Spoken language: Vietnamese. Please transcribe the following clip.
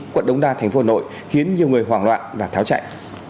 quận đông đa thành phố nội khiến nhiều người hoảng loạn và tháo chạy